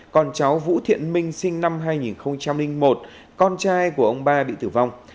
còn cháu vũ thiện minh sinh năm hai nghìn một con trai của ông ba bị tử vong